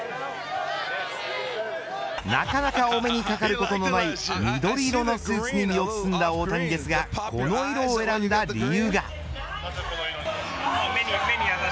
なかなかお目にかかることのない緑色のスーツに身を包んだ大谷ですがこの色を選んだ理由が。